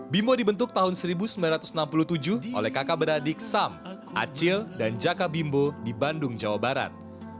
bimbo dibentuk tahun seribu sembilan ratus enam puluh tujuh oleh kakak beradik sam acil dan jaka bimbo di bandung jawa barat